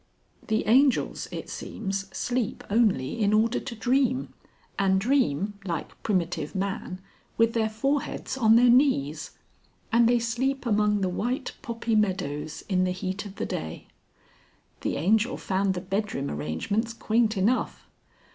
(The Angels, it seems sleep only in order to dream, and dream, like primitive man, with their foreheads on their knees. And they sleep among the white poppy meadows in the heat of the day.) The Angel found the bedroom arrangements quaint enough.